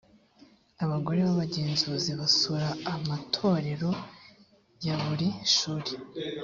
abagore b’abagenzuzi basura amatorero ya buri shuri